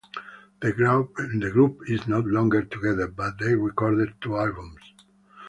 The group is no longer together, but they recorded two albums.